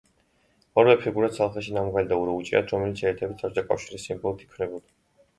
ორივე ფიგურას ცალ ხელში ნამგალი და ურო უჭირავთ, რომელთა შეერთებით საბჭოთა კავშირის სიმბოლო იქმნებოდა.